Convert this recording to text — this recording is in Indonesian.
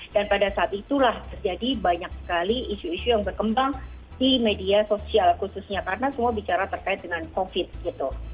dan pada saat itulah terjadi banyak sekali isu isu yang berkembang di media sosial khususnya karena semua bicara terkait dengan covid gitu